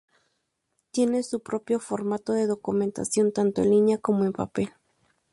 R tiene su propio formato de documentación tanto en línea como en papel.